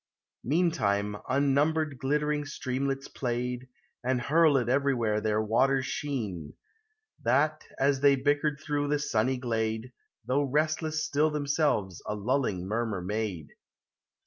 Meantime, unnumbered glittering streamlets played, And hurled everywhere their waters sheen ; That, as they bickered through the sunny glade, Though restless still themselves, a lulling murmur made.